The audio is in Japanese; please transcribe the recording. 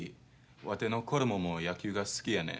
わての子供も野球が好きやねん。